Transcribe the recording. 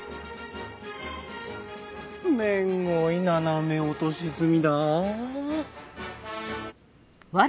めんごい斜め落とし積みだあ。